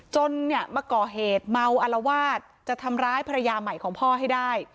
จนเนี่ยมาก่อเหตุเมาอลวาดจะทำร้ายภรรยาใหม่ของพ่อให้ได้